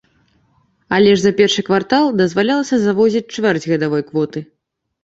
Але ж за першы квартал дазвалялася завозіць чвэрць гадавой квоты.